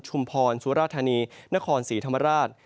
พรสุราธานีนครศรีธรรมราช